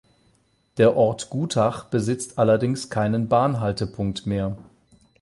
Der Ort Gutach besitzt allerdings keinen Bahn-Haltepunkt mehr.